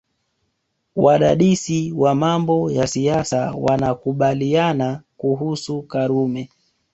Wadadisi wa mambo ya siasa wanakubaliana kuhusu Karume